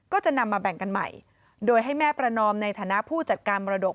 ก็จะนำมาแบ่งกันใหม่โดยให้แม่ประนอมในฐานะผู้จัดการมรดก